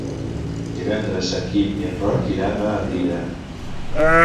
Divendres en Quim i en Roc iran a Andilla.